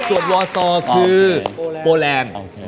จวดวาซอคือโปรแรม